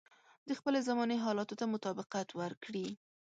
د خپلې زمانې حالاتو ته مطابقت ورکړي.